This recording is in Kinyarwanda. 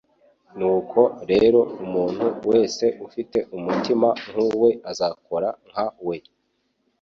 nuko rero umuntu wese ufite umutima nk'uwe azakora nka we.